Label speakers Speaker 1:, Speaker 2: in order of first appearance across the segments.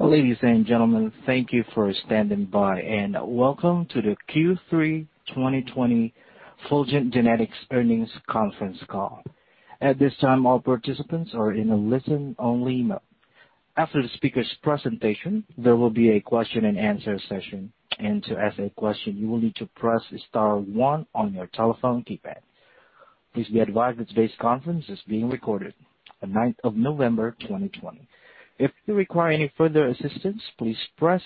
Speaker 1: Ladies and gentlemen, thank you for standing by, and welcome to the Q3 2020 Fulgent Genetics Earnings Conference. At this time, all participants are in the listen-only mode. After the speaker's presentation, there will be a question and answer session. And to ask a question, you will need to press star one on your telephone keypad. Please be advised this conference is being recorded, the 9th of November, 2020. If you require any further assistance, please press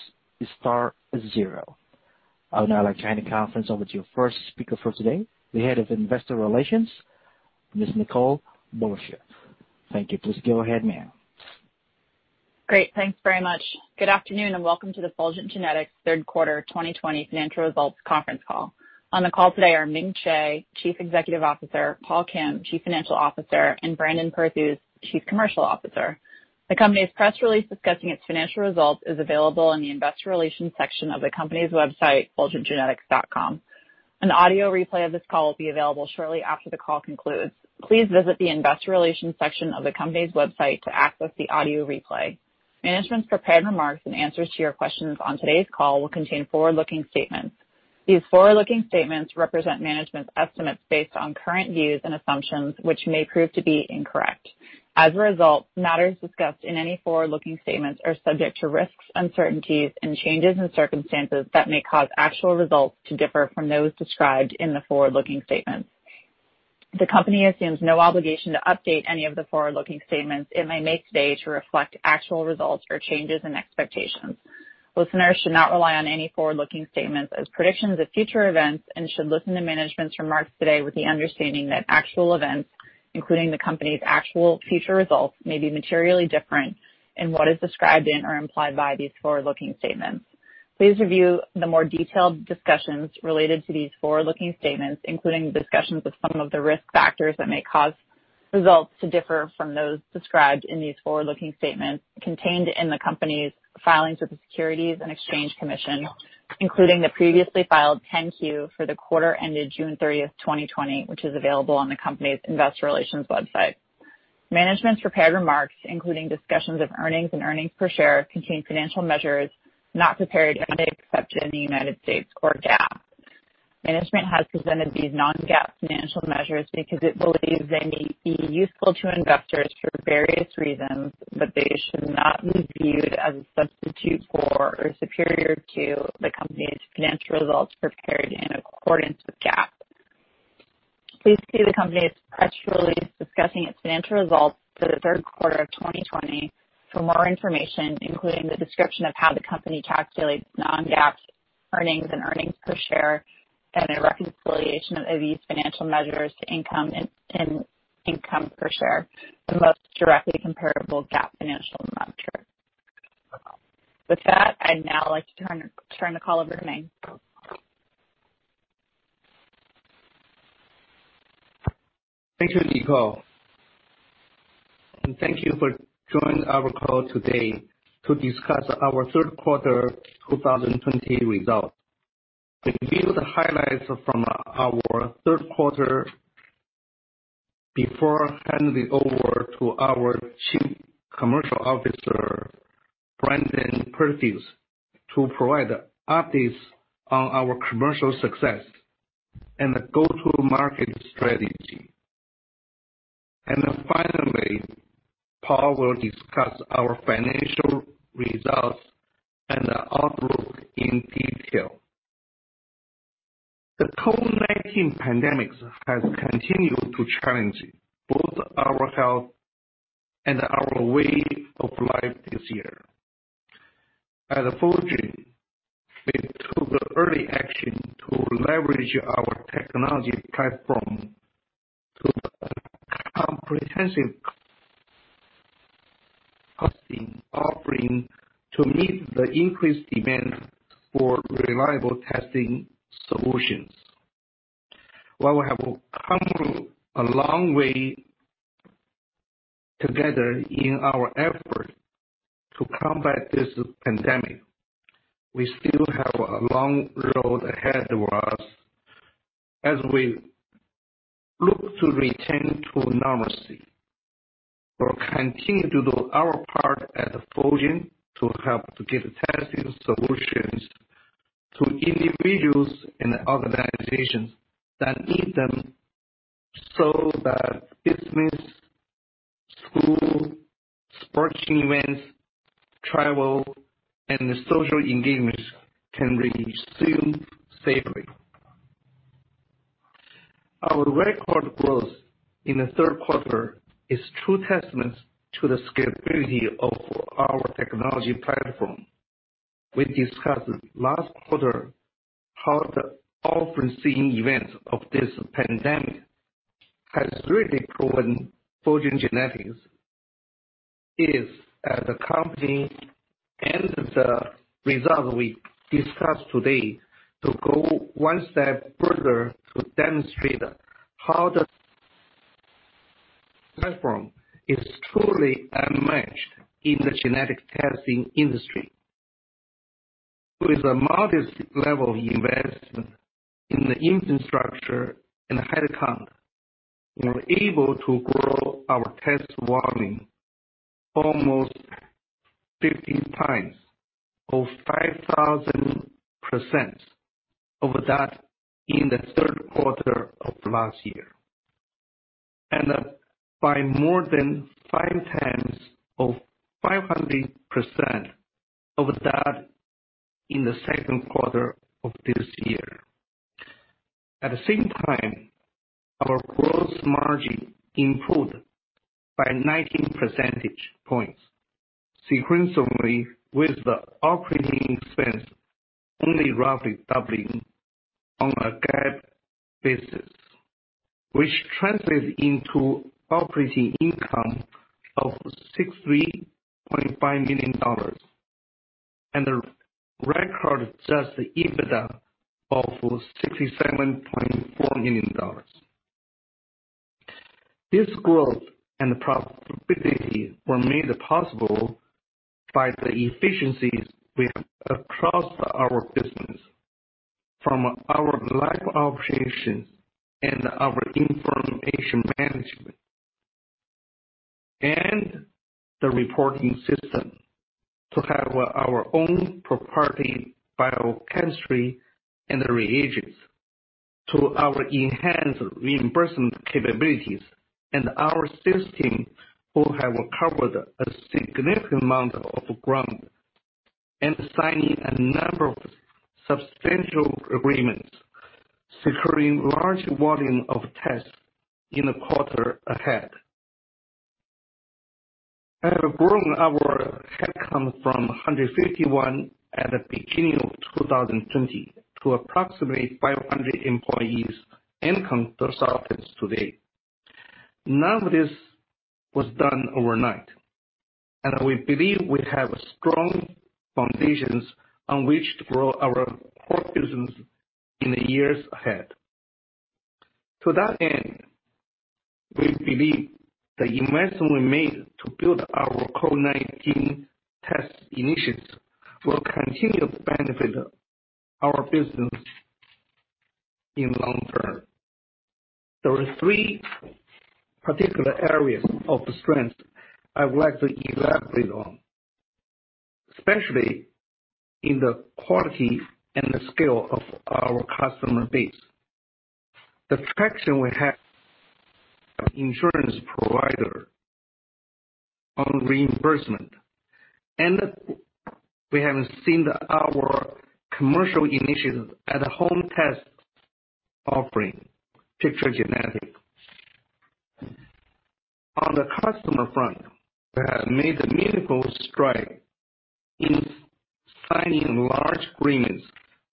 Speaker 1: star zero. I would now like to hand the conference over to your first speaker for today, the Head of Investor Relations, Ms. Nicole Borsje. Thank you. Please go ahead, ma'am.
Speaker 2: Great. Thanks very much. Good afternoon, and welcome to the Fulgent Genetics third quarter 2020 financial results conference call. On the call today are Ming Hsieh, Chief Executive Officer, Paul Kim, Chief Financial Officer, and Brandon Perthuis, Chief Commercial Officer. The company's press release discussing its financial results is available in the investor relations section of the company's website, fulgentgenetics.com. An audio replay of this call will be available shortly after the call concludes. Please visit the investor relations section of the company's website to access the audio replay. Management's prepared remarks and answers to your questions on today's call will contain forward-looking statements. These forward-looking statements represent management's estimates based on current views and assumptions, which may prove to be incorrect. As a result, matters discussed in any forward-looking statements are subject to risks, uncertainties, and changes in circumstances that may cause actual results to differ from those described in the forward-looking statements. The company assumes no obligation to update any of the forward-looking statements it may make today to reflect actual results or changes in expectations. Listeners should not rely on any forward-looking statements as predictions of future events and should listen to management's remarks today with the understanding that actual events, including the company's actual future results, may be materially different in what is described in or implied by these forward-looking statements. Please review the more detailed discussions related to these forward-looking statements, including the discussions of some of the risk factors that may cause results to differ from those described in these forward-looking statements contained in the company's filings with the Securities and Exchange Commission, including the previously filed Form 10-Q for the quarter ended June 30th, 2020, which is available on the company's investor relations website. Management's prepared remarks, including discussions of earnings and earnings per share, contain financial measures not prepared on an accepted United States core GAAP. Management has presented these non-GAAP financial measures because it believes they may be useful to investors for various reasons, but they should not be viewed as a substitute for or superior to the company's financial results prepared in accordance with GAAP. Please see the company's press release discussing its financial results for the third quarter of 2020 for more information, including the description of how the company calculates non-GAAP earnings and earnings per share, and a reconciliation of these financial measures to income and income per share, the most directly comparable GAAP financial measure. With that, I'd now like to turn the call over to Ming.
Speaker 3: Thank you, Nicole. Thank you for joining our call today to discuss our third quarter 2020 results. We view the highlights from our third quarter before handing over to our Chief Commercial Officer, Brandon Perthuis, to provide updates on our commercial success and the go-to-market strategy. Finally, Paul will discuss our financial results and outlook in detail. The COVID-19 pandemic has continued to challenge both our health and our way of life this year. At Fulgent, we took early action to leverage our technology platform to a comprehensive testing offering to meet the increased demand for reliable testing solutions. While we have come a long way together in our effort to combat this pandemic, we still have a long road ahead of us. As we look to return to normalcy, we'll continue to do our part at Fulgent to help to get testing solutions to individuals and organizations that need them so that business, school, sporting events, travel, and social engagements can resume safely. Our record growth in the third quarter is true testament to the scalability of our technology platform. We discussed last quarter how the unforeseen events of this pandemic has really proven Fulgent Genetics is, as a company, and the results we discuss today, to go one step further to demonstrate how the platform is truly unmatched in the genetic testing industry. With a modest level of investment in the infrastructure and headcount, we were able to grow our test volume almost 50x, or 5,000% over that in the third quarter of last year. By more than five times, or 500% over that in the second quarter of this year. At the same time, our gross margin improved by 19 percentage points sequentially, with the operating expense only roughly doubling on a GAAP basis, which translates into operating income of $63.5 million. A record adjusted EBITDA of $67.4 million. This growth and profitability were made possible by the efficiencies we have across our business, from our lab operations and our information management, and the reporting system, to have our own proprietary biochemistry and reagents, to our enhanced reimbursement capabilities and our sales team, who have covered a significant amount of ground in signing a number of substantial agreements, securing large volume of tests in the quarter ahead. Having grown our headcount from 151 at the beginning of 2020 to approximately 500 employees in corporate office today. None of this was done overnight. We believe we have strong foundations on which to grow our core business in the years ahead. To that end, we believe the investment we made to build our COVID-19 test initiatives will continue to benefit our business in long term. There are three particular areas of strength I would like to elaborate on, especially in the quality and the scale of our customer base. The traction we have with insurance provider on reimbursement, we have seen our commercial initiatives at home test offering, Picture Genetics. On the customer front, we have made a meaningful stride in signing large agreements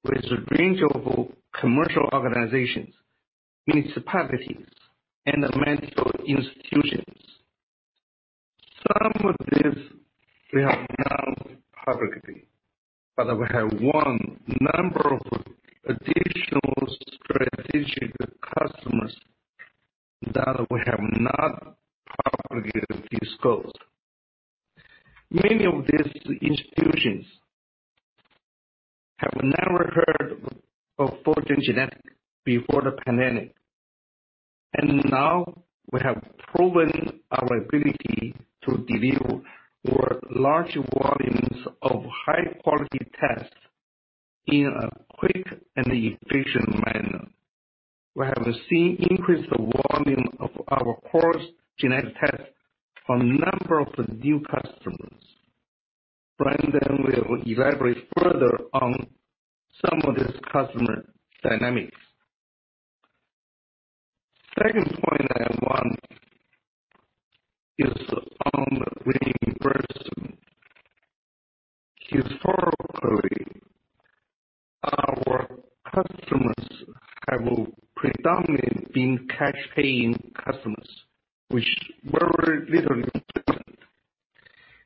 Speaker 3: with a range of commercial organizations, municipalities, and medical institutions. Some of this we have now publicly, we have won number of additional strategic customers that we have not publicly disclosed. Many of these institutions have never heard of Fulgent Genetics before the pandemic. Now we have proven our ability to deliver large volumes of high-quality tests in a quick and efficient manner. We have seen increased volume of our core genetic tests from a number of new customers. Brandon will elaborate further on some of this customer dynamics. Second point I want is on reimbursement. Historically, our customers have predominantly been cash-paying customers, which very little reimbursement.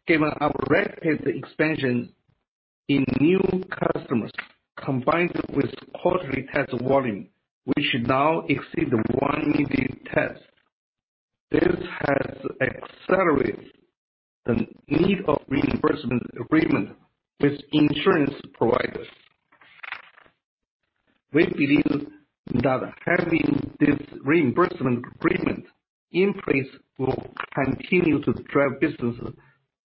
Speaker 3: Given our rapid expansion in new customers, combined with quarterly test volume, which now exceed 1 million tests, this has accelerated the need of reimbursement agreement with insurance providers. We believe that having this reimbursement agreement in place will continue to drive business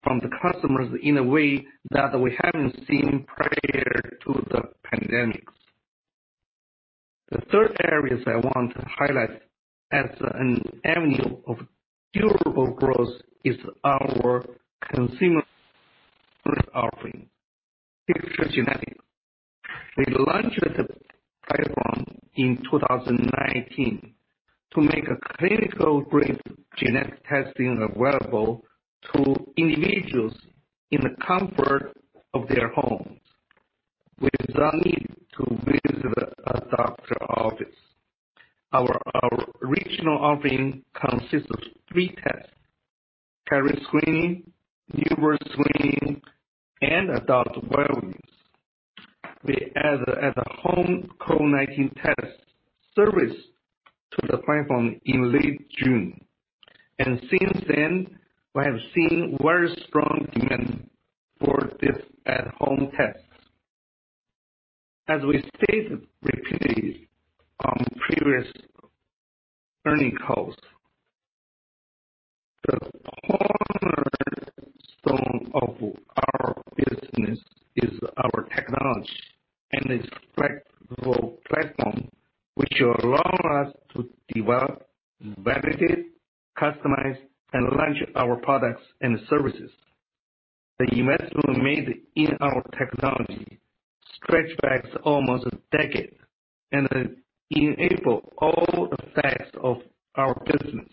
Speaker 3: from the customers in a way that we haven't seen prior to the pandemic. The third areas I want to highlight as an avenue of durable growth is our consumer offering, Picture Genetics. We launched the platform in 2019 to make clinical-grade genetic testing available to individuals in the comfort of their homes, without need to visit a doctor office. Our original offering consists of three tests, carrier screening, newborn screening, and adult wellness. We added a home COVID-19 test service to the platform in late June. Since then, we have seen very strong demand for this at-home test. As we stated repeatedly on previous earning calls, the cornerstone of our business is our technology and its flexible platform, which allow us to develop, validate, customize, and launch our products and services. The investment we made in our technology stretch backs almost a decade and enable all aspects of our business,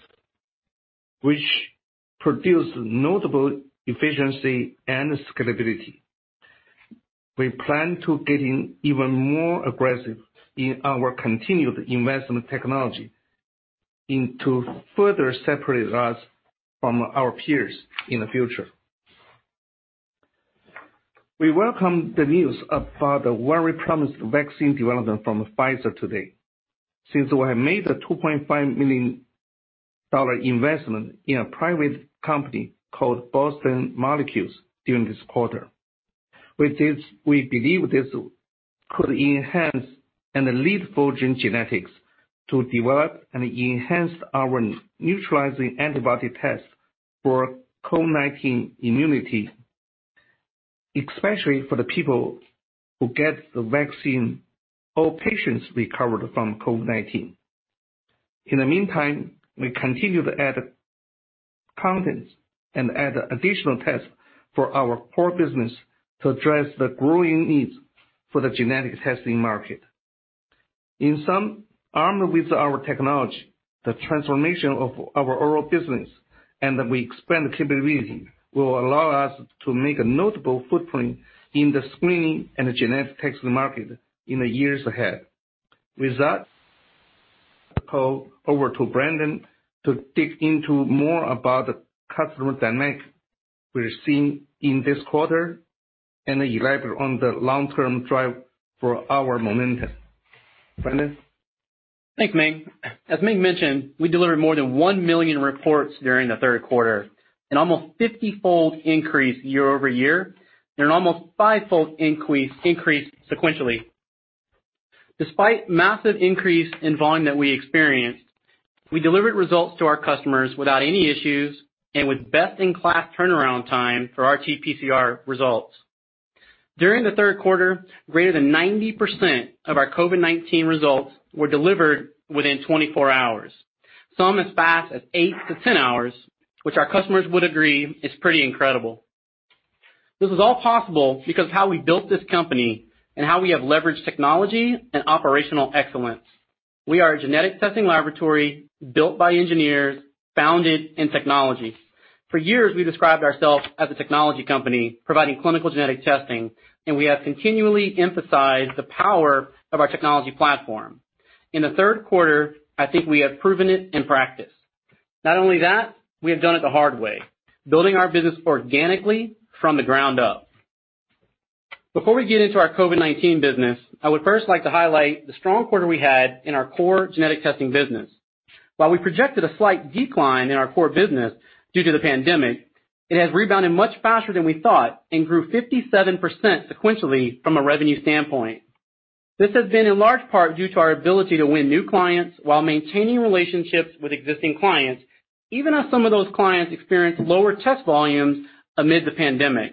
Speaker 3: which produce notable efficiency and scalability. We plan to getting even more aggressive in our continued investment technology and to further separate us from our peers in the future. We welcome the news about a very promising vaccine development from Pfizer today. Since we have made a $2.5 million investment in a private company called Boston Molecules during this quarter. We believe this could enhance and lead Fulgent Genetics to develop and enhance our neutralizing antibody test for COVID-19 immunity, especially for the people who get the vaccine or patients recovered from COVID-19. In the meantime, we continue to add contents and add additional tests for our core business to address the growing needs for the genetic testing market. In sum, armed with our technology, the transformation of our core business and we expand capability will allow us to make a notable footprint in the screening and genetic testing market in the years ahead. With that, I'll hand over to Brandon to dig into more about the customer dynamic we're seeing in this quarter, and elaborate on the long-term drive for our momentum. Brandon?
Speaker 4: Thanks, Ming. As Ming mentioned, we delivered more than 1 million reports during the third quarter, an almost 50 fold increase year-over-year, and an almost five fold increase sequentially. Despite massive increase in volume that we experienced, we delivered results to our customers without any issues and with best-in-class turnaround time for our PCR results. During the third quarter, greater than 90% of our COVID-19 results were delivered within 24 hours, some as fast as 8 to 10 hours, which our customers would agree is pretty incredible. This is all possible because of how we built this company and how we have leveraged technology and operational excellence. We are a genetic testing laboratory built by engineers, founded in technology. For years, we described ourselves as a technology company providing clinical genetic testing, and we have continually emphasized the power of our technology platform. In the third quarter, I think we have proven it in practice. Not only that, we have done it the hard way, building our business organically from the ground up. Before we get into our COVID-19 business, I would first like to highlight the strong quarter we had in our core genetic testing business. While we projected a slight decline in our core business due to the pandemic, it has rebounded much faster than we thought and grew 57% sequentially from a revenue standpoint. This has been in large part due to our ability to win new clients while maintaining relationships with existing clients, even as some of those clients experienced lower test volumes amid the pandemic.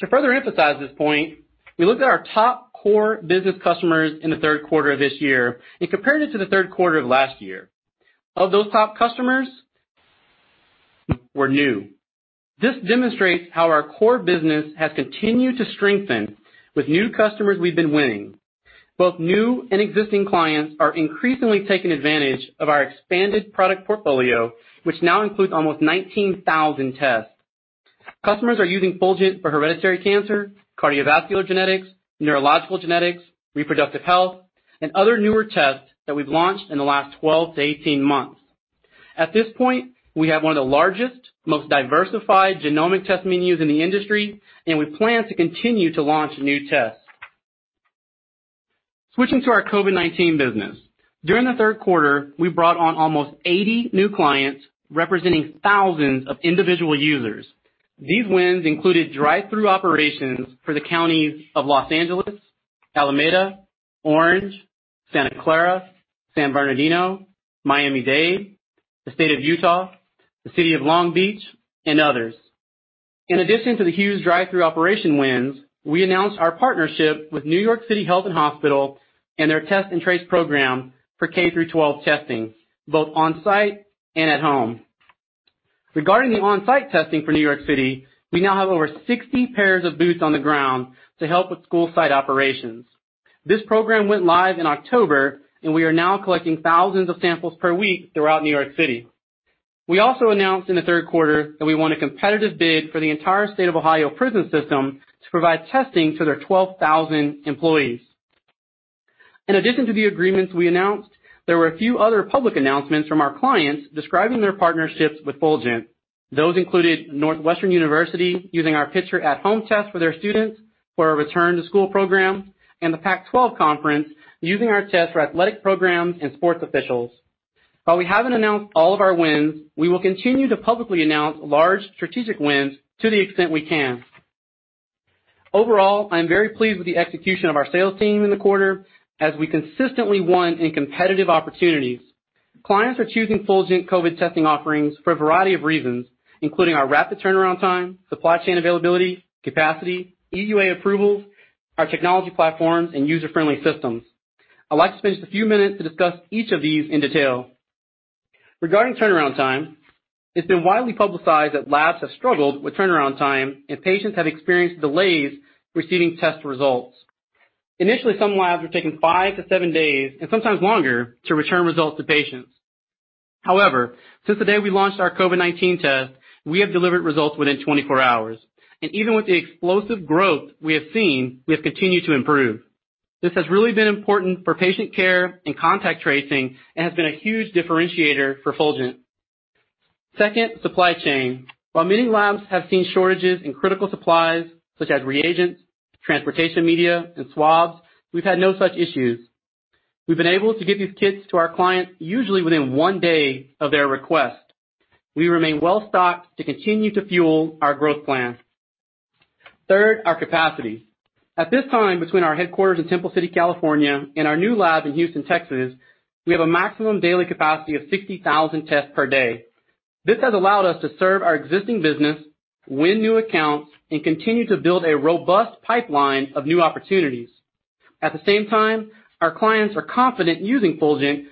Speaker 4: To further emphasize this point, we looked at our top core business customers in the third quarter of this year and compared it to the third quarter of last year. Of those top customers, were new. This demonstrates how our core business has continued to strengthen with new customers we've been winning. Both new and existing clients are increasingly taking advantage of our expanded product portfolio, which now includes almost 19,000 tests. Customers are using Fulgent for hereditary cancer, cardiovascular genetics, neurological genetics, reproductive health, and other newer tests that we've launched in the last 12 to 18 months. At this point, we have one of the largest, most diversified genomic test menus in the industry, and we plan to continue to launch new tests. Switching to our COVID-19 business. During the third quarter, we brought on almost 80 new clients representing thousands of individual users. These wins included drive-through operations for the counties of Los Angeles, Alameda, Orange, Santa Clara, San Bernardino, Miami-Dade, the State of Utah, the City of Long Beach, and others. In addition to the huge drive-through operation wins, we announced our partnership with New York City Health and Hospitals and their test and trace program for K-12 testing, both on-site and at home. Regarding the on-site testing for New York City, we now have over 60 pairs of boots on the ground to help with school site operations. This program went live in October. We are now collecting thousands of samples per week throughout New York City. We also announced in the third quarter that we won a competitive bid for the entire State of Ohio prison system to provide testing to their 12,000 employees. In addition to the agreements we announced, there were a few other public announcements from our clients describing their partnerships with Fulgent. Those included Northwestern University using our Picture at-home test for their students for a return to school program, and the Pac-12 Conference using our test for athletic programs and sports officials. While we haven't announced all of our wins, we will continue to publicly announce large strategic wins to the extent we can. Overall, I am very pleased with the execution of our sales team in the quarter as we consistently won in competitive opportunities. Clients are choosing Fulgent COVID testing offerings for a variety of reasons, including our rapid turnaround time, supply chain availability, capacity, EUA approvals, our technology platforms, and user-friendly systems. I'd like to spend just a few minutes to discuss each of these in detail. Regarding turnaround time, it's been widely publicized that labs have struggled with turnaround time and patients have experienced delays receiving test results. Initially, some labs were taking five to seven days, and sometimes longer, to return results to patients. However, since the day we launched our COVID-19 test, we have delivered results within 24 hours. Even with the explosive growth we have seen, we have continued to improve. This has really been important for patient care and contact tracing, and has been a huge differentiator for Fulgent. Second, supply chain. While many labs have seen shortages in critical supplies such as reagents, transportation media, and swabs, we've had no such issues. We've been able to get these kits to our clients usually within one day of their request. We remain well-stocked to continue to fuel our growth plans. Third, our capacity. At this time, between our headquarters in Temple City, California, and our new lab in Houston, Texas, we have a maximum daily capacity of 60,000 tests per day. This has allowed us to serve our existing business, win new accounts, and continue to build a robust pipeline of new opportunities. At the same time, our clients are confident using Fulgent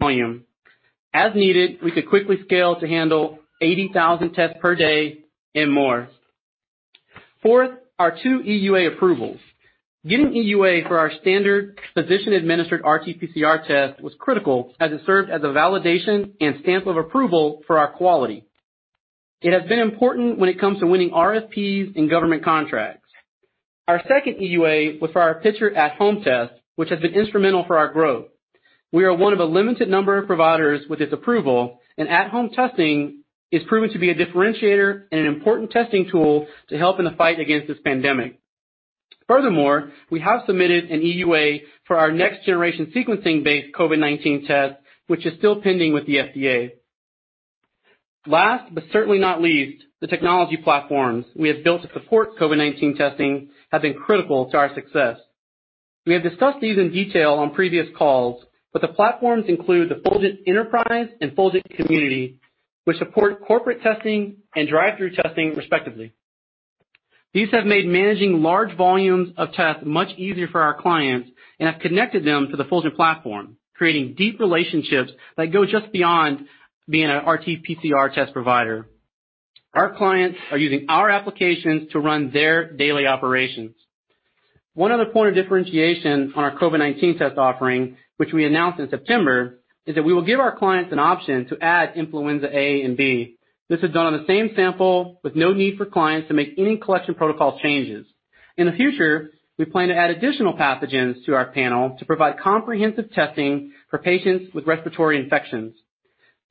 Speaker 4: volume. As needed, we could quickly scale to handle 80,000 tests per day and more. Fourth, our two EUA approvals. Getting EUA for our standard physician-administered RT-PCR test was critical, as it served as a validation and stamp of approval for our quality. It has been important when it comes to winning RFPs and government contracts. Our second EUA was for our Picture at-home test, which has been instrumental for our growth. We are one of a limited number of providers with this approval, and at-home testing is proven to be a differentiator and an important testing tool to help in the fight against this pandemic. Furthermore, we have submitted an EUA for our next-generation sequencing-based COVID-19 test, which is still pending with the FDA. Last, but certainly not least, the technology platforms we have built to support COVID-19 testing have been critical to our success. We have discussed these in detail on previous calls, but the platforms include the Fulgent Enterprise and Fulgent Community, which support corporate testing and drive-through testing respectively. These have made managing large volumes of tests much easier for our clients and have connected them to the Fulgent platform, creating deep relationships that go just beyond being a RT-PCR test provider. Our clients are using our applications to run their daily operations. One other point of differentiation on our COVID-19 test offering, which we announced in September, is that we will give our clients an option to add influenza A and B. This is done on the same sample with no need for clients to make any collection protocol changes. In the future, we plan to add additional pathogens to our panel to provide comprehensive testing for patients with respiratory infections.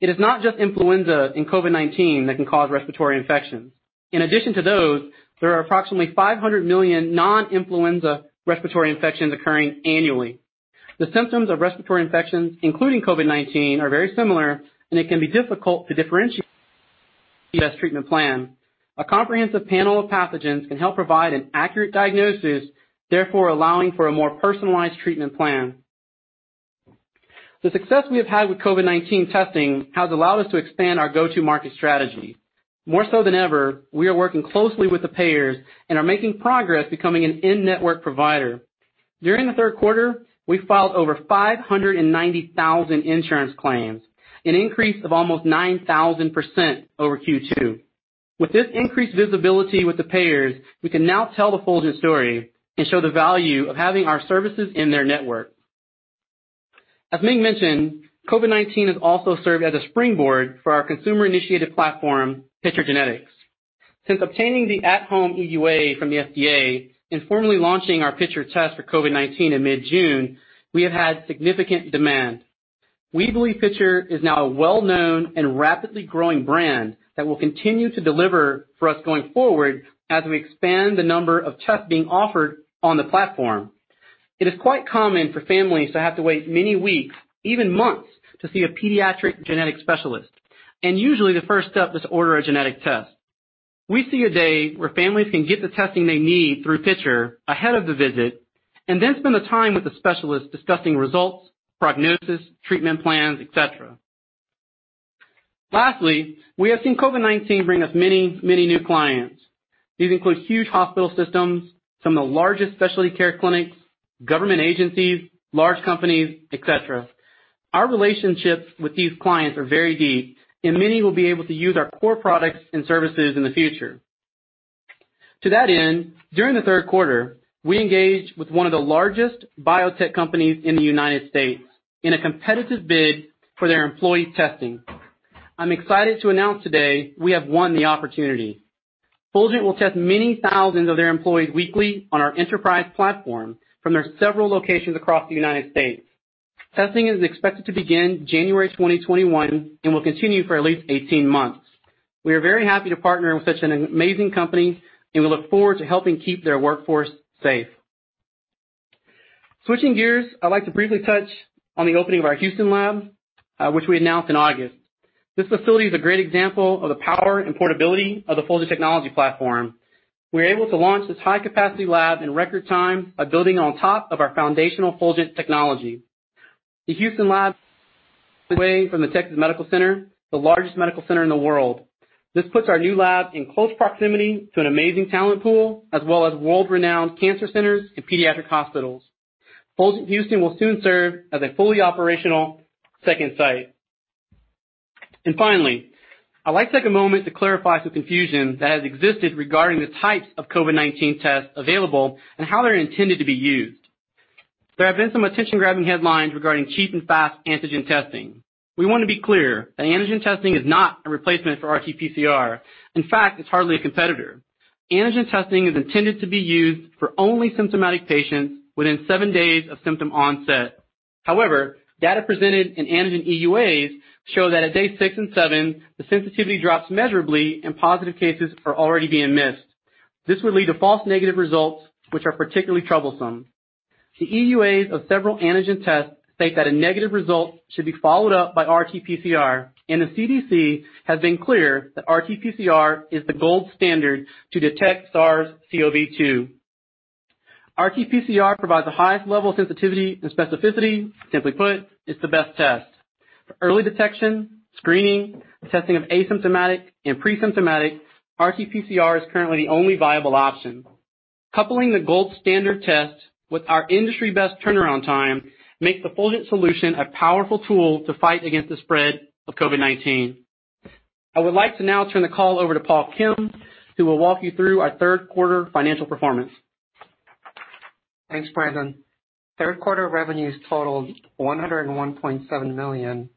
Speaker 4: It is not just influenza and COVID-19 that can cause respiratory infections. In addition to those, there are approximately 500 million non-influenza respiratory infections occurring annually. The symptoms of respiratory infections, including COVID-19, are very similar, and it can be difficult to differentiate a treatment plan. A comprehensive panel of pathogens can help provide an accurate diagnosis, therefore allowing for a more personalized treatment plan. The success we have had with COVID-19 testing has allowed us to expand our go-to market strategy. More so than ever, we are working closely with the payers and are making progress becoming an in-network provider. During the third quarter, we filed over 590,000 insurance claims, an increase of almost 9,000% over Q2. With this increased visibility with the payers, we can now tell the Fulgent story and show the value of having our services in their network. As Ming mentioned, COVID-19 has also served as a springboard for our consumer-initiated platform, Picture Genetics. Since obtaining the at-home EUA from the FDA and formally launching our Picture test for COVID-19 in mid-June, we have had significant demand. We believe Picture is now a well-known and rapidly growing brand that will continue to deliver for us going forward as we expand the number of tests being offered on the platform. It is quite common for families to have to wait many weeks, even months, to see a pediatric genetic specialist, and usually the first step is to order a genetic test. We see a day where families can get the testing they need through Picture ahead of the visit and then spend the time with the specialist discussing results, prognosis, treatment plans, et cetera. Lastly, we have seen COVID-19 bring us many new clients. These include huge hospital systems, some of the largest specialty care clinics, government agencies, large companies, et cetera. Our relationships with these clients are very deep, and many will be able to use our core products and services in the future. To that end, during the third quarter, we engaged with one of the largest biotech companies in the United States in a competitive bid for their employee testing. I'm excited to announce today we have won the opportunity. Fulgent will test many thousands of their employees weekly on our Fulgent Enterprise platform from their several locations across the United States. Testing is expected to begin January 2021, and will continue for at least 18 months. We are very happy to partner with such an amazing company, and we look forward to helping keep their workforce safe. Switching gears, I'd like to briefly touch on the opening of our Fulgent Houston lab, which we announced in August. This facility is a great example of the power and portability of the Fulgent technology platform. We were able to launch this high-capacity lab in record time by building on top of our foundational Fulgent technology, the Fulgent Houston lab, from the Texas Medical Center, the largest medical center in the world. This puts our new lab in close proximity to an amazing talent pool, as well as world-renowned cancer centers and pediatric hospitals. Fulgent Houston will soon serve as a fully operational second site. Finally, I'd like to take a moment to clarify some confusion that has existed regarding the types of COVID-19 tests available and how they're intended to be used. There have been some attention-grabbing headlines regarding cheap and fast antigen testing. We want to be clear that antigen testing is not a replacement for RT-PCR. In fact, it's hardly a competitor. Antigen testing is intended to be used for only symptomatic patients within seven days of symptom onset. However, data presented in antigen EUAs show that at day six and seven, the sensitivity drops measurably and positive cases are already being missed. This would lead to false negative results, which are particularly troublesome. The EUAs of several antigen tests state that a negative result should be followed up by RT-PCR, and the CDC has been clear that RT-PCR is the gold standard to detect SARS-CoV-2. RT-PCR provides the highest level of sensitivity and specificity. Simply put, it's the best test. For early detection, screening, testing of asymptomatic and pre-symptomatic, RT-PCR is currently the only viable option. Coupling the gold standard test with our industry-best turnaround time makes the Fulgent solution a powerful tool to fight against the spread of COVID-19. I would like to now turn the call over to Paul Kim, who will walk you through our third quarter financial performance.
Speaker 5: Thanks, Brandon. Third quarter revenues totaled $101.7 million,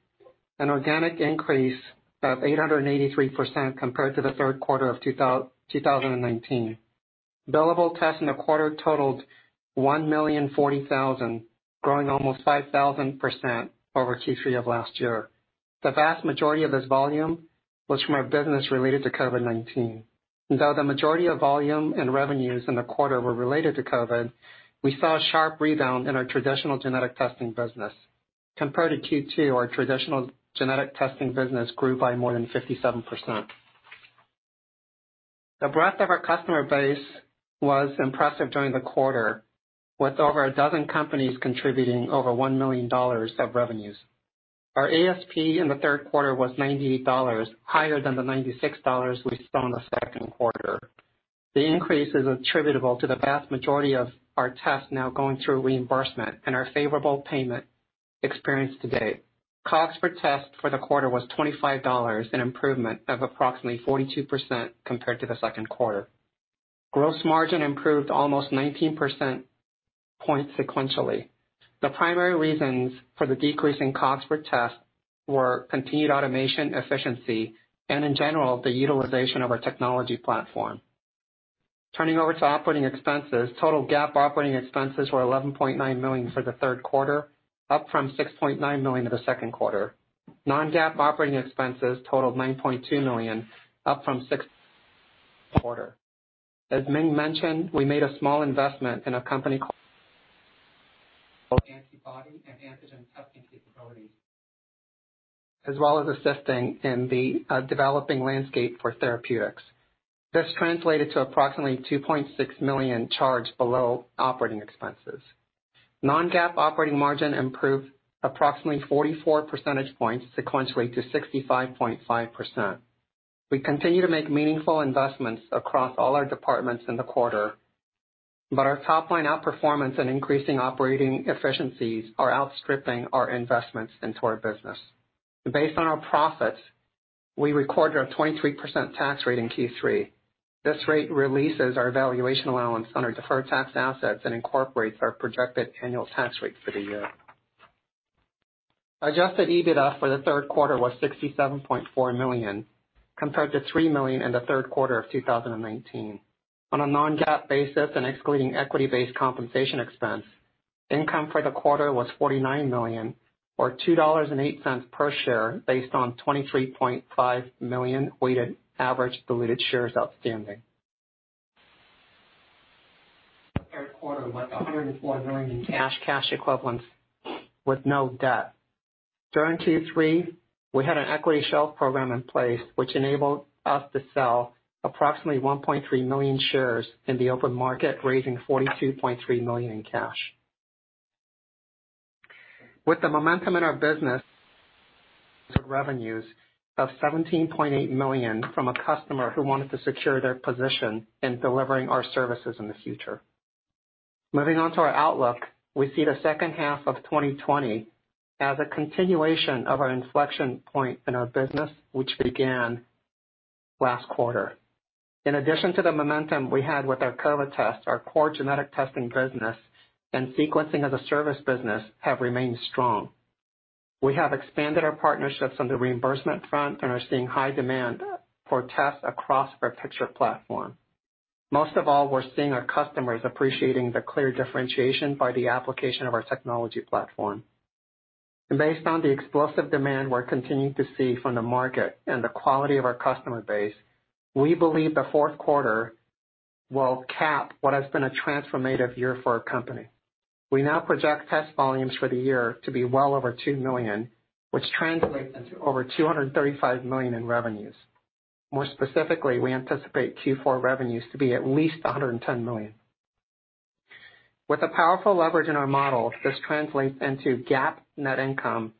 Speaker 5: an organic increase of 883% compared to the third quarter of 2019. Billable tests in the quarter totaled 1,040,000, growing almost 5,000% over Q3 of last year. The vast majority of this volume was from our business related to COVID-19. Though the majority of volume and revenues in the quarter were related to COVID, we saw a sharp rebound in our traditional genetic testing business. Compared to Q2, our traditional genetic testing business grew by more than 57%. The breadth of our customer base was impressive during the quarter, with over a dozen companies contributing over $1 million of revenues. Our ASP in the third quarter was $98, higher than the $96 we saw in the second quarter. The increase is attributable to the vast majority of our tests now going through reimbursement and our favorable payment experience to date. Cost per test for the quarter was $25, an improvement of approximately 42% compared to the second quarter. Gross margin improved almost 19 percentage points sequentially. The primary reasons for the decrease in cost per test were continued automation efficiency and, in general, the utilization of our technology platform. Turning over to operating expenses, total GAAP operating expenses were $11.9 million for the third quarter, up from $6.9 million in the second quarter. Non-GAAP operating expenses totaled $9.2 million, up from $6 million. As Ming mentioned, we made a small investment in a company antibody and antigen testing capabilities, as well as assisting in the developing landscape for therapeutics. This translated to approximately $2.6 million charged below operating expenses. Non-GAAP operating margin improved approximately 44 percentage points sequentially to 65.5%. We continue to make meaningful investments across all our departments in the quarter, but our top-line outperformance and increasing operating efficiencies are outstripping our investments into our business. Based on our profits, we recorded a 23% tax rate in Q3. This rate releases our valuation allowance on our deferred tax assets and incorporates our projected annual tax rate for the year. Adjusted EBITDA for the third quarter was $67.4 million, compared to $3 million in the third quarter of 2019. On a non-GAAP basis and excluding equity-based compensation expense, income for the quarter was $49 million or $2.08 per share based on 23.5 million weighted average diluted shares outstanding. Third quarter, with $104 million in cash equivalents with no debt. During Q3, we had an equity shelf program in place which enabled us to sell approximately 1.3 million shares in the open market, raising $42.3 million in cash. With the momentum in our business, revenues of $17.8 million from a customer who wanted to secure their position in delivering our services in the future. Moving on to our outlook, we see the second half of 2020 as a continuation of our inflection point in our business, which began last quarter. In addition to the momentum we had with our COVID test, our core genetic testing business and sequencing as a service business have remained strong. We have expanded our partnerships on the reimbursement front and are seeing high demand for tests across our Picture platform. Most of all, we're seeing our customers appreciating the clear differentiation by the application of our technology platform. Based on the explosive demand we're continuing to see from the market and the quality of our customer base, we believe the fourth quarter will cap what has been a transformative year for our company. We now project test volumes for the year to be well over 2 million, which translates into over $235 million in revenues. More specifically, we anticipate Q4 revenues to be at least $110 million. With the powerful leverage in our model, this translates into GAAP net income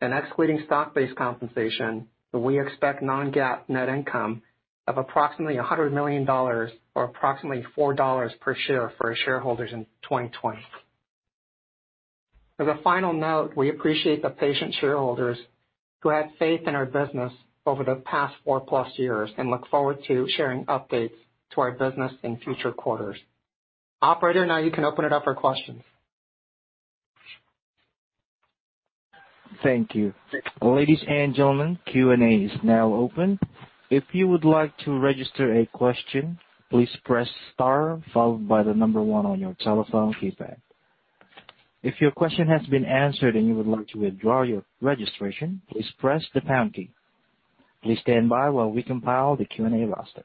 Speaker 5: and excluding stock-based compensation, we expect non-GAAP net income of approximately $100 million or approximately $4 per share for our shareholders in 2020. As a final note, we appreciate the patient shareholders who had faith in our business over the past four-plus years and look forward to sharing updates to our business in future quarters. Operator, now you can open it up for questions.
Speaker 1: Thank you. Ladies and gentlemen, Q&A is now open. If you would like to register a question, please press star followed by the number one on your telephone keypad. If your question has been answered and you would like to withdraw your registration, please press the pound key. Please stand by while we compile the Q&A roster.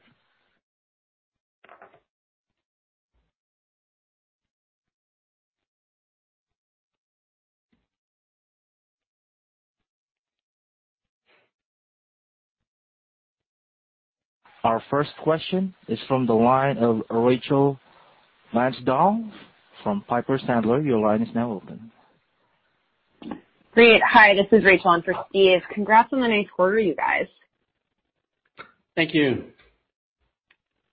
Speaker 1: Our first question is from the line of Rachel Vatnsdal from Piper Sandler. Your line is now open.
Speaker 6: Great. Hi, this is Rachel on for Steve. Congrats on the nice quarter, you guys.
Speaker 5: Thank you.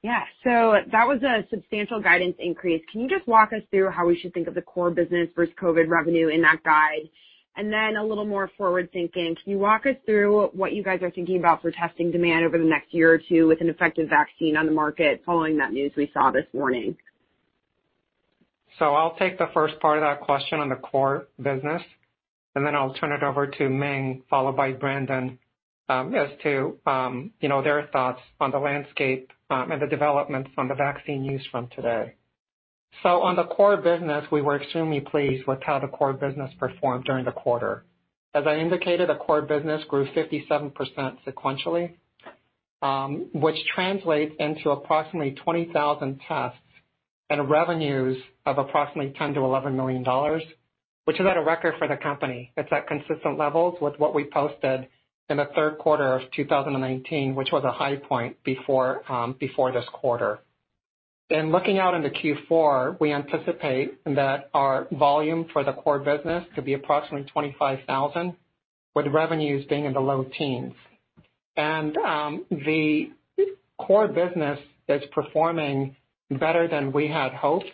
Speaker 6: Yeah. That was a substantial guidance increase. Can you just walk us through how we should think of the core business versus COVID revenue in that guide? A little more forward-thinking, can you walk us through what you guys are thinking about for testing demand over the next year or two with an effective vaccine on the market following that news we saw this morning?
Speaker 5: I'll take the first part of that question on the core business, and then I'll turn it over to Ming, followed by Brandon, as to their thoughts on the landscape, and the developments on the vaccine news from today. On the core business, we were extremely pleased with how the core business performed during the quarter. As I indicated, the core business grew 57% sequentially, which translates into approximately 20,000 tests and revenues of approximately $10 million-$11 million, which is at a record for the company. It's at consistent levels with what we posted in the third quarter of 2019, which was a high point before this quarter. Looking out into Q4, we anticipate that our volume for the core business to be approximately 25,000, with revenues being in the low teens. The core business is performing better than we had hoped,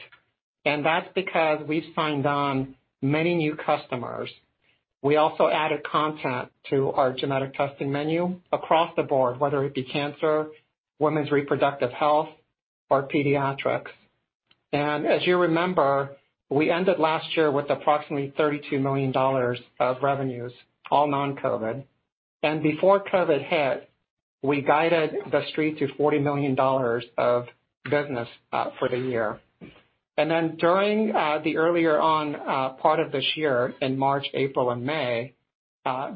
Speaker 5: and that's because we've signed on many new customers. We also added content to our genetic testing menu across the board, whether it be cancer, women's reproductive health, or pediatrics. As you remember, we ended last year with approximately $32 million of revenues, all non-COVID-19. Before COVID-19 hit, we guided the Street to $40 million of business for the year. During the earlier on part of this year in March, April, and May,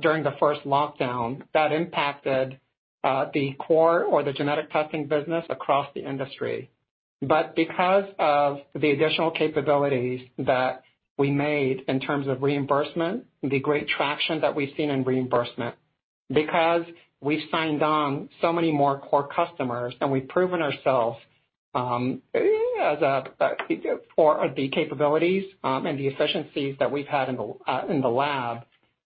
Speaker 5: during the first lockdown, that impacted the core or the genetic testing business across the industry. Because of the additional capabilities that we made in terms of reimbursement, the great traction that we've seen in reimbursement, because we've signed on so many more core customers, and we've proven ourselves, for the capabilities, and the efficiencies that we've had in the lab,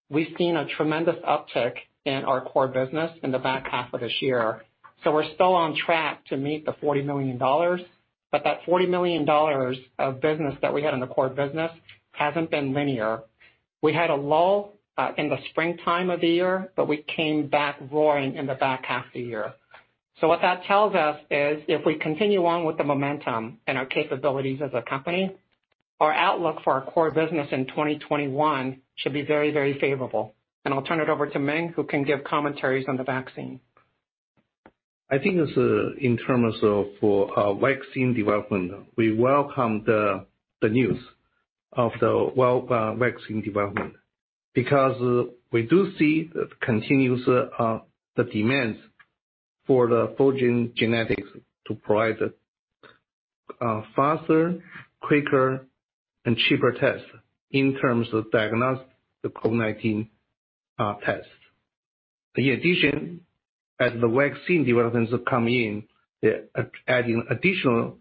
Speaker 5: we've seen a tremendous uptick in our core business in the back half of this year. We're still on track to meet the $40 million, but that $40 million of business that we had in the core business hasn't been linear. We had a lull in the springtime of the year, but we came back roaring in the back half of the year. What that tells us is if we continue on with the momentum and our capabilities as a company, our outlook for our core business in 2021 should be very, very favorable. I'll turn it over to Ming, who can give commentaries on the vaccine.
Speaker 3: I think it's in terms of vaccine development, we welcome the news of the vaccine development because we do see the continuous demands for the Fulgent Genetics to provide a faster, quicker, and cheaper test in terms of diagnostic, the COVID-19 test. As the vaccine developments are coming in, they're adding additional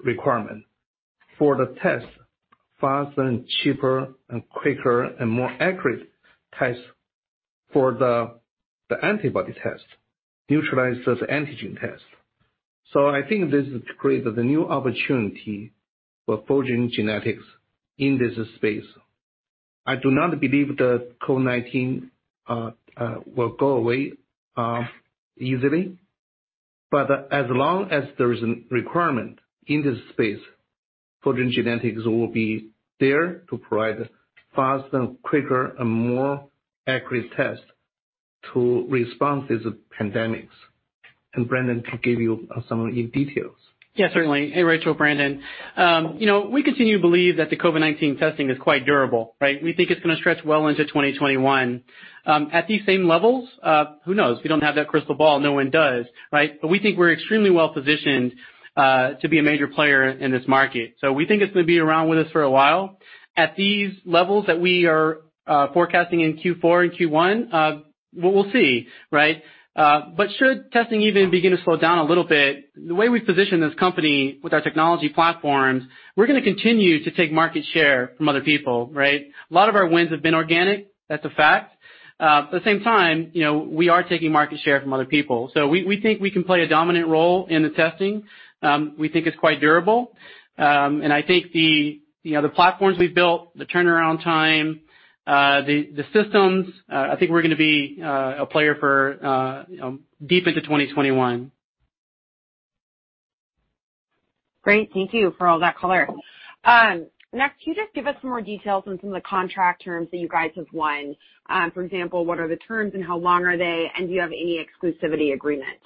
Speaker 3: requirements for the test, faster and cheaper and quicker and more accurate tests for the antibody test, neutralizes antigen test. I think this creates the new opportunity for Fulgent Genetics in this space. I do not believe that COVID-19 will go away easily. As long as there is a requirement in this space, Fulgent Genetics will be there to provide fast and quicker and more accurate tests to responses of pandemics. Brandon can give you some of the details.
Speaker 4: Yeah, certainly. Hey, Rachel, Brandon. We continue to believe that the COVID-19 testing is quite durable. Right? We think it's going to stretch well into 2021. At these same levels, who knows? We don't have that crystal ball. No one does. Right? We think we're extremely well-positioned to be a major player in this market. We think it's going to be around with us for a while. At these levels that we are forecasting in Q4 and Q1, we'll see. Right? Should testing even begin to slow down a little bit, the way we position this company with our technology platforms, we're going to continue to take market share from other people. Right? A lot of our wins have been organic, that's a fact. At the same time, we are taking market share from other people. We think we can play a dominant role in the testing. We think it's quite durable. I think the platforms we've built, the turnaround time, the systems, I think we're going to be a player for deep into 2021.
Speaker 6: Great. Thank you for all that color. Can you just give us some more details on some of the contract terms that you guys have won? For example, what are the terms and how long are they, and do you have any exclusivity agreements?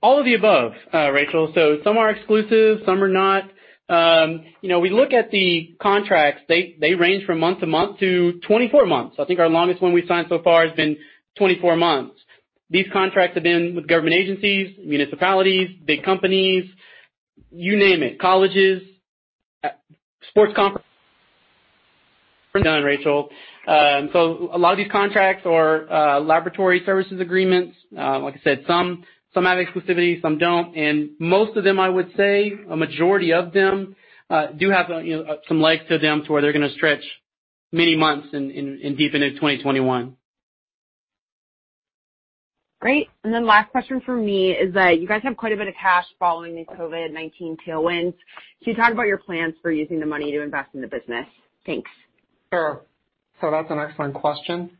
Speaker 4: All of the above, Rachel. Some are exclusive, some are not. We look at the contracts, they range from month to month to 24 months. I think our longest one we've signed so far has been 24 months. These contracts have been with government agencies, municipalities, big companies, you name it, colleges, sports conference Well done, Rachel. A lot of these contracts are laboratory services agreements. Like I said, some have exclusivity, some don't. Most of them, I would say, a majority of them, do have some legs to them to where they're going to stretch many months in, deep into 2021.
Speaker 6: Last question from me is that you guys have quite a bit of cash following the COVID-19 tailwinds. Can you talk about your plans for using the money to invest in the business? Thanks.
Speaker 5: Sure. That's an excellent question.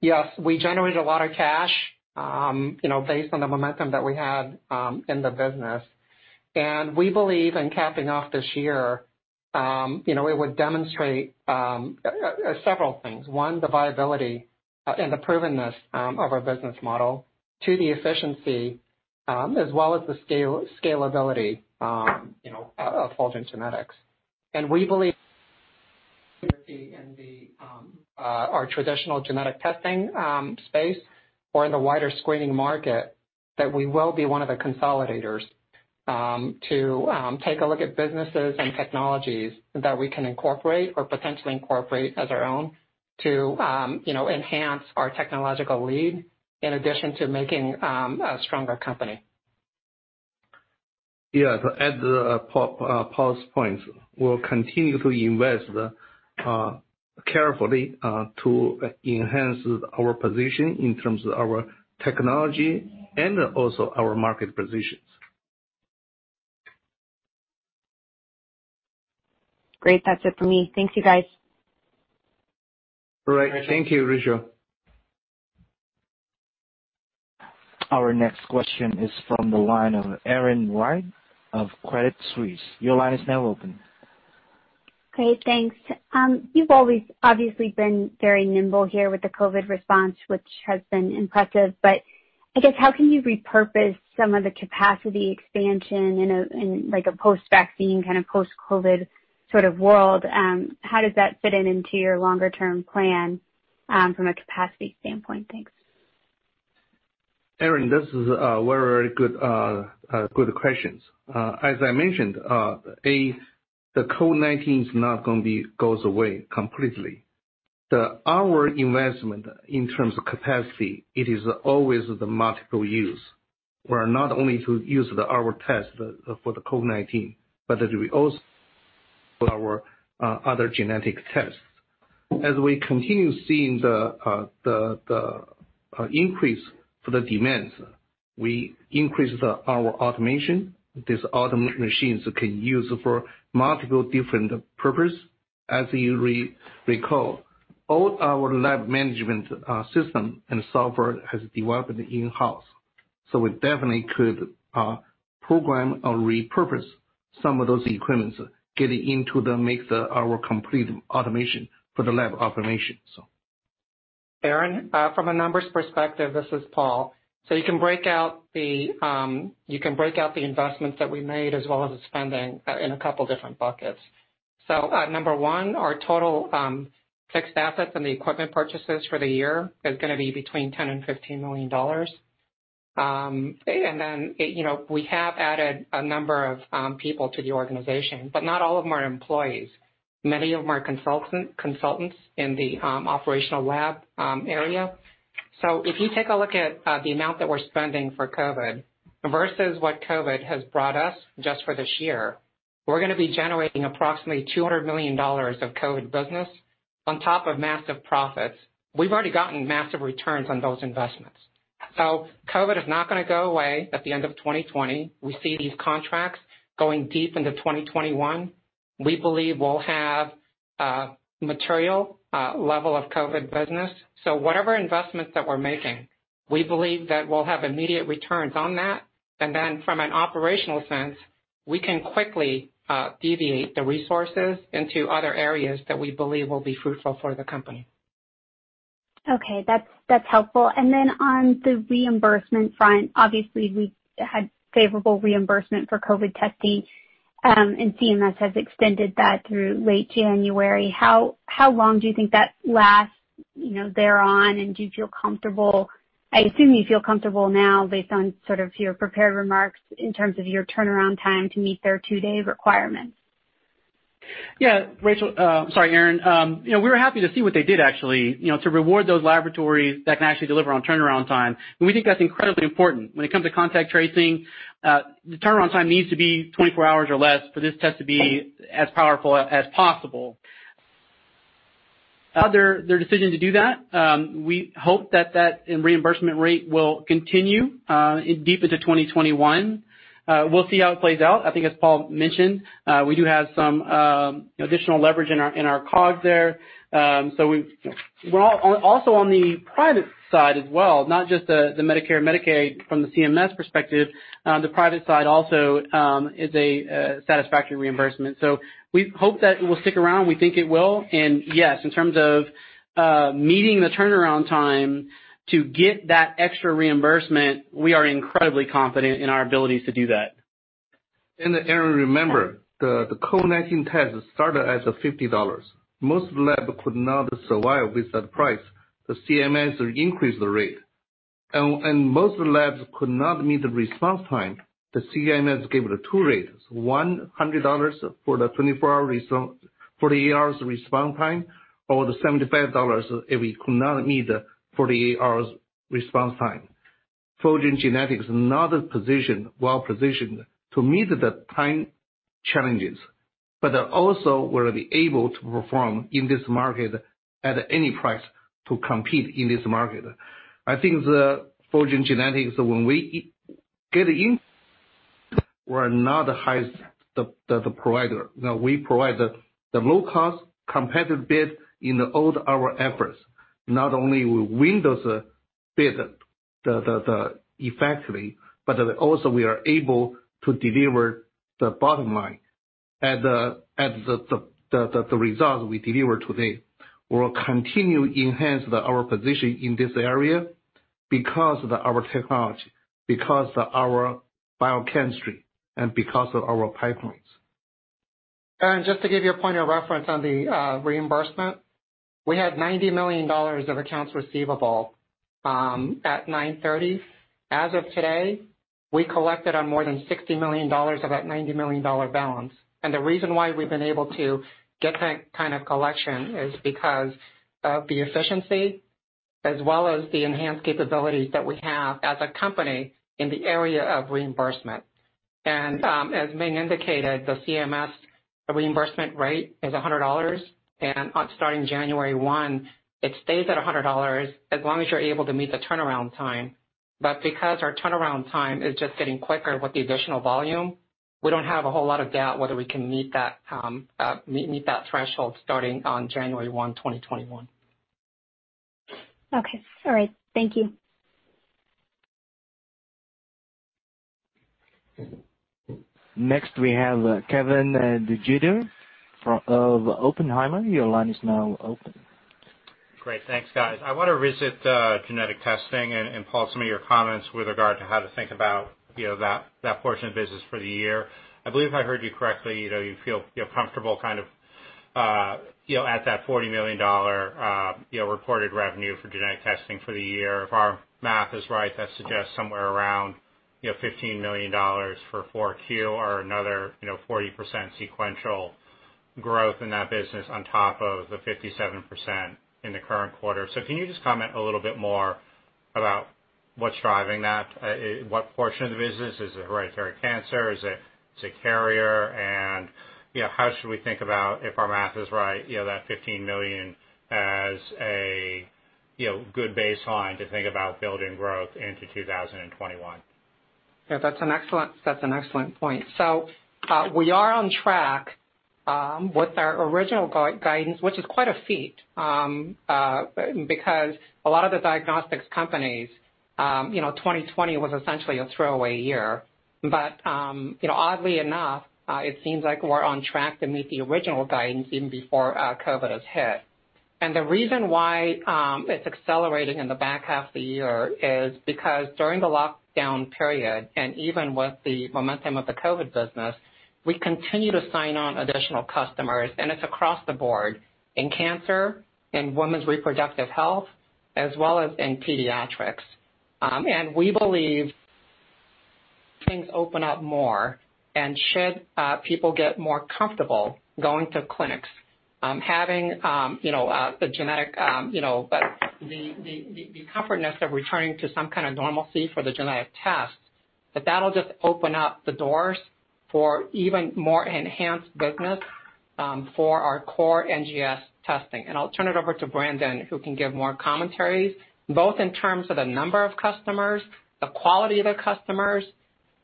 Speaker 5: Yes, we generated a lot of cash based on the momentum that we had in the business. We believe in capping off this year, it would demonstrate several things. One, the viability and the proven-ness of our business model. Two, the efficiency, as well as the scalability of Fulgent Genetics. We believe in the, our traditional genetic testing space or in the wider screening market, that we will be one of the consolidators to take a look at businesses and technologies that we can incorporate or potentially incorporate as our own to enhance our technological lead, in addition to making a stronger company.
Speaker 3: To add Paul's point, we'll continue to invest carefully to enhance our position in terms of our technology and also our market positions.
Speaker 6: Great. That's it from me. Thank you, guys.
Speaker 3: All right. Thank you, Rachel.
Speaker 1: Our next question is from the line of Erin Wright of Credit Suisse. Your line is now open.
Speaker 7: Great, thanks. You've always obviously been very nimble here with the COVID response, which has been impressive. I guess how can you repurpose some of the capacity expansion in, like, a post-vaccine, post-COVID sort of world? How does that fit in into your longer term plan from a capacity standpoint? Thanks.
Speaker 3: Erin, this is a very good questions. As I mentioned, the COVID-19's not going to be goes away completely. Our investment in terms of capacity, it is always the multiple use, where not only to use our test for the COVID-19, but that we also Our other genetic tests. As we continue seeing the increase for the demands, we increase our automation. These automated machines can use for multiple different purpose. As you recall, all our lab management system and software has developed in-house. We definitely could program or repurpose some of those equipments, get into the make our complete automation for the lab automation.
Speaker 5: Erin, from a numbers perspective, this is Paul. You can break out the investments that we made as well as the spending in a couple different buckets. Number one, our total fixed assets and the equipment purchases for the year is going to be between $10 million-$15 million. We have added a number of people to the organization, but not all of them are employees. Many of them are consultants in the operational lab area. If you take a look at the amount that we're spending for COVID versus what COVID has brought us just for this year, we're going to be generating approximately $200 million of COVID business on top of massive profits. We've already gotten massive returns on those investments. COVID is not going to go away at the end of 2020. We see these contracts going deep into 2021. We believe we'll have a material level of COVID business. Whatever investments that we're making, we believe that we'll have immediate returns on that. From an operational sense, we can quickly deviate the resources into other areas that we believe will be fruitful for the company.
Speaker 7: Okay. That's helpful. Then on the reimbursement front, obviously, we had favorable reimbursement for COVID testing, and CMS has extended that through late January. How long do you think that lasts, there on, and do you feel comfortable I assume you feel comfortable now based on sort of your prepared remarks in terms of your turnaround time to meet their two-day requirements?
Speaker 4: Yeah, Rachel, sorry, Erin. We were happy to see what they did, actually, to reward those laboratories that can actually deliver on turnaround time. We think that's incredibly important. When it comes to contact tracing, the turnaround time needs to be 24 hours or less for this test to be as powerful as possible. Their decision to do that, we hope that that reimbursement rate will continue deep into 2021. We'll see how it plays out. I think as Paul mentioned, we do have some additional leverage in our cost there. Also on the private side as well, not just the Medicare/Medicaid from the CMS perspective, the private side also is a satisfactory reimbursement. We hope that it will stick around. We think it will. Yes, in terms of meeting the turnaround time to get that extra reimbursement, we are incredibly confident in our abilities to do that.
Speaker 3: Erin, remember, the COVID-19 test started as $50. Most labs could not survive with that price. The CMS increased the rate. Most labs could not meet the response time. The CMS gave the two rates, $100 for the 48 hours response time, or the $75 if we could not meet the 48 hours response time. Fulgent Genetics is now well-positioned to meet the time challenges, but also will be able to perform in this market at any price to compete in this market. I think the Fulgent Genetics, when we get in, we're not the highest priced provider. Now we provide the low cost competitive bid in all our efforts. Not only we win those bids effectively, but also we are able to deliver the bottom line at the result we deliver today. We will continue to enhance our position in this area because of our technology, because of our biochemistry, and because of our pipelines.
Speaker 5: Just to give you a point of reference on the reimbursement, we had $90 million of accounts receivable at 9/30. As of today, we collected on more than $60 million of that $90 million balance. The reason why we've been able to get that kind of collection is because of the efficiency as well as the enhanced capabilities that we have as a company in the area of reimbursement. As Ming indicated, the CMS reimbursement rate is $100, and starting January 1, it stays at $100 as long as you're able to meet the turnaround time. Because our turnaround time is just getting quicker with the additional volume, we don't have a whole lot of doubt whether we can meet that threshold starting on January 1, 2021.
Speaker 7: Okay. All right. Thank you.
Speaker 1: Next, we have Kevin DeGeeter of Oppenheimer. Your line is now open.
Speaker 8: Great. Thanks, guys. I want to visit genetic testing and, Paul, some of your comments with regard to how to think about that portion of the business for the year. I believe I heard you correctly, you feel comfortable kind of at that $40 million reported revenue for genetic testing for the year. If our math is right, that suggests somewhere around $15 million for 4Q or another 40% sequential growth in that business on top of the 57% in the current quarter. Can you just comment a little bit more about what's driving that? What portion of the business? Is it hereditary cancer? Is it carrier? How should we think about, if our math is right, that $15 million as a good baseline to think about building growth into 2021?
Speaker 5: Yeah, that's an excellent point. We are on track with our original guidance, which is quite a feat, because a lot of the diagnostics companies, 2020 was essentially a throwaway year. Oddly enough, it seems like we're on track to meet the original guidance even before COVID has hit. The reason why it's accelerating in the back half of the year is because during the lockdown period, and even with the momentum of the COVID business, we continue to sign on additional customers, and it's across the board in cancer, in women's reproductive health, as well as in pediatrics. We believe things open up more and should people get more comfortable going to clinics, having the comfort of returning to some kind of normalcy for the genetic tests, that that'll just open up the doors for even more enhanced business for our core NGS testing. I'll turn it over to Brandon, who can give more commentaries, both in terms of the number of customers, the quality of the customers,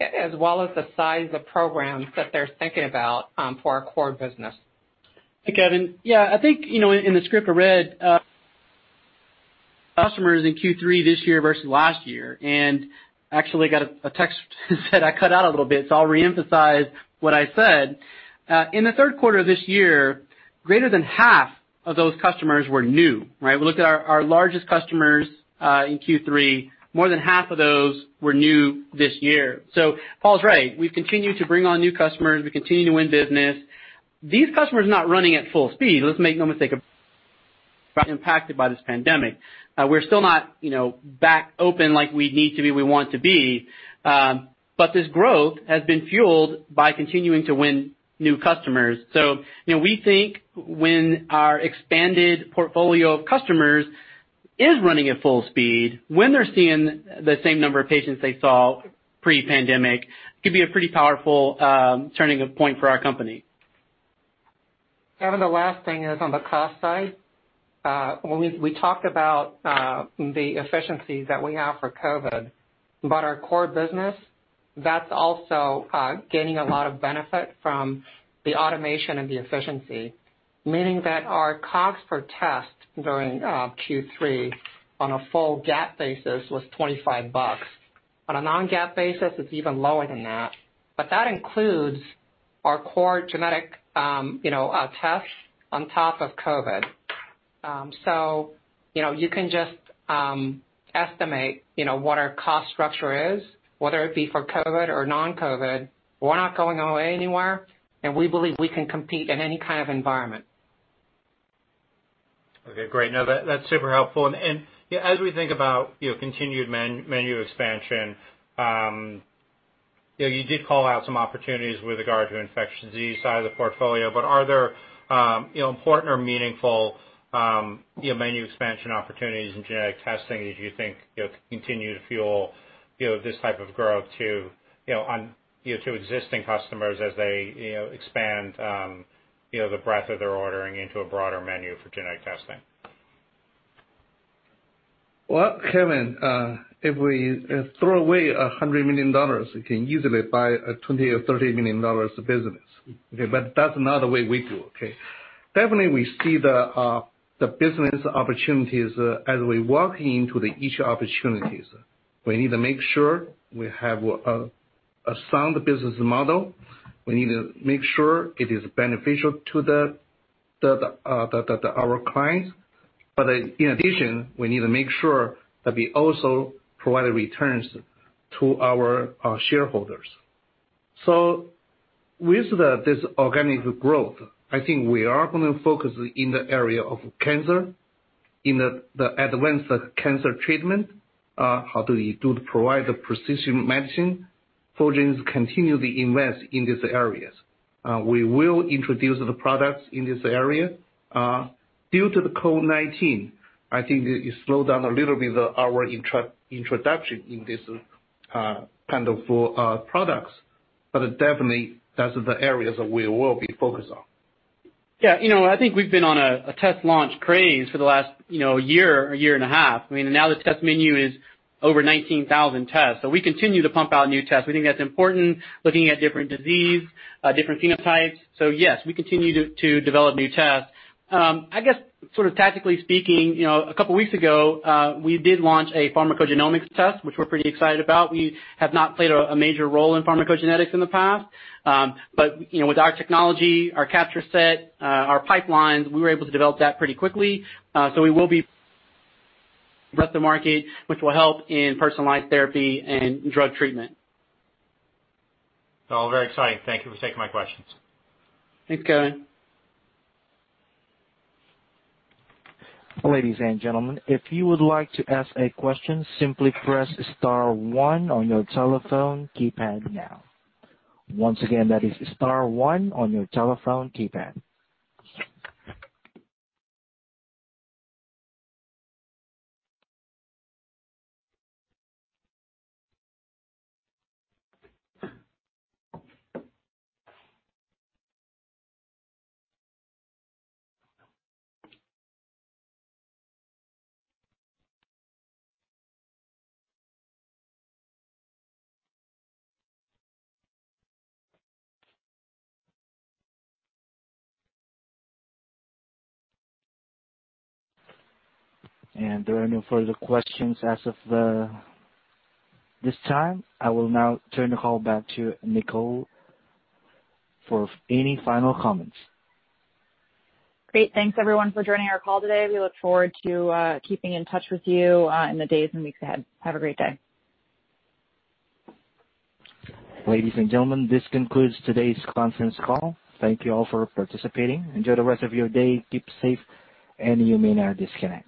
Speaker 5: as well as the size of programs that they're thinking about for our core business.
Speaker 4: Hey, Kevin. I think, in the script I read, customers in Q3 this year versus last year, actually got a text that said I cut out a little bit, so I'll re-emphasize what I said. In the third quarter of this year, greater than half of those customers were new. We looked at our largest customers in Q3. More than half of those were new this year. Paul's right. We've continued to bring on new customers. We continue to win business. These customers are not running at full speed. Let's make no mistake about it, impacted by this pandemic. We're still not back open like we need to be, we want to be. This growth has been fueled by continuing to win new customers. We think when our expanded portfolio of customers is running at full speed, when they're seeing the same number of patients they saw pre-pandemic, could be a pretty powerful turning point for our company.
Speaker 5: Kevin, the last thing is on the cost side. We talked about the efficiencies that we have for COVID, our core business, that's also gaining a lot of benefit from the automation and the efficiency, meaning that our COGS per test during Q3 on a full GAAP basis was $25. On a non-GAAP basis, it's even lower than that. That includes our core genetic tests on top of COVID. You can just estimate what our cost structure is, whether it be for COVID or non-COVID. We're not going away anywhere, and we believe we can compete in any kind of environment.
Speaker 8: Okay, great. No, that's super helpful. As we think about continued menu expansion, you did call out some opportunities with regard to infectious disease side of the portfolio, are there important or meaningful menu expansion opportunities in genetic testing that you think continue to fuel this type of growth to existing customers as they expand the breadth of their ordering into a broader menu for genetic testing?
Speaker 3: Well, Kevin, if we throw away $100 million, we can easily buy a $20 or $30 million business. Okay. That's not the way we do, okay. Definitely, we see the business opportunities as we work into the each opportunities. We need to make sure we have a sound business model. We need to make sure it is beneficial to our clients. In addition, we need to make sure that we also provide returns to our shareholders. With this organic growth, I think we are going to focus in the area of cancer, in the advanced cancer treatment, how do we do to provide the precision medicine. Fulgent continue to invest in these areas. We will introduce the products in this area. Due to the COVID-19, I think it slowed down a little bit, our introduction in this kind of products, but definitely, that's the areas that we will be focused on.
Speaker 4: Yeah, I think we've been on a test launch craze for the last year or year and a half. The test menu is over 19,000 tests. We continue to pump out new tests. We think that's important, looking at different disease, different phenotypes. Yes, we continue to develop new tests. I guess sort of tactically speaking, a couple of weeks ago, we did launch a pharmacogenomics test, which we're pretty excited about. We have not played a major role in pharmacogenetics in the past. With our technology, our capture set, our pipelines, we were able to develop that pretty quickly. We will be the market, which will help in personalized therapy and drug treatment.
Speaker 8: All very exciting. Thank you for taking my questions.
Speaker 4: Thanks, Kevin.
Speaker 1: Ladies and gentlemen, if you would like to ask a question, simply press star one on your telephone keypad now. Once again, that is star one on your telephone keypad. There are no further questions as of this time. I will now turn the call back to Nicole for any final comments.
Speaker 2: Great. Thanks everyone for joining our call today. We look forward to keeping in touch with you in the days and weeks ahead. Have a great day.
Speaker 1: Ladies and gentlemen, this concludes today's conference call. Thank you all for participating. Enjoy the rest of your day. Keep safe, you may now disconnect.